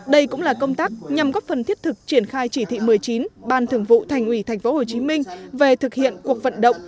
đây cũng là công tác nhằm góp phần thiết thực triển khai chỉ thị một mươi chín ban thường vụ thành ủy tp hcm về thực hiện cuộc vận động